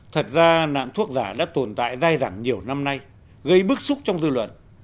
thật ra nạn thuốc giả đã tồn tại dài rẳng nhiều năm nay gây bức xúc trong dư luận